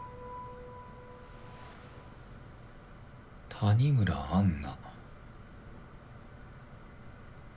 谷村安奈。